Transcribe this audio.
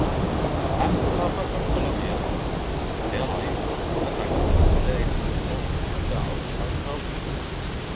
After a couple of years, their life attracted the interest of the outside world.